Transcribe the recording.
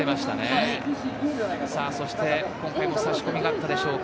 そして今回も差し込みがあったでしょうか。